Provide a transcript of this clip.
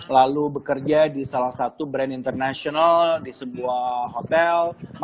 lalu bekerja di salah satu brand internasional di sebuah hotel